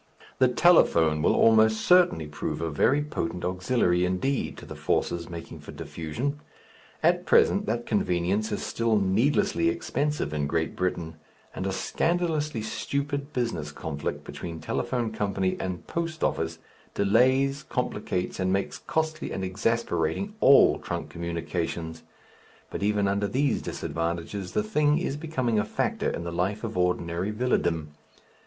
The telephone will almost certainly prove a very potent auxiliary indeed to the forces making for diffusion. At present that convenience is still needlessly expensive in Great Britain, and a scandalously stupid business conflict between telephone company and post office delays, complicates, and makes costly and exasperating all trunk communications; but even under these disadvantages the thing is becoming a factor in the life of ordinary villadom.